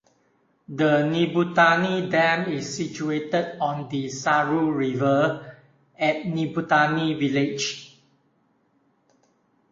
The Nibutani Dam is situated on the Saru River, at Nibutani village.